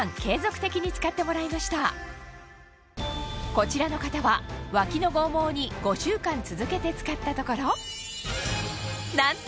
こちらの方はワキの剛毛に５週間続けて使ったところなんと！